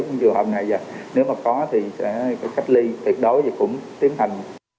những trường hợp này nếu mà có thì sẽ cách ly thiệt đối cũng tiến hành